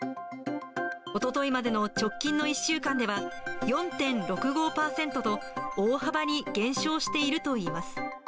おとといまでの直近の１週間では、４．６５％と、大幅に減少しているといいます。